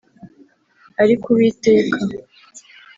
ariko Uwiteka